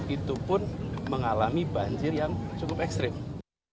itu pun mengalami banjir yang cukup ekstrim